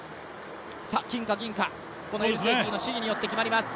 金か銀か、この試技によって決まります。